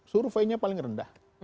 surveinya paling rendah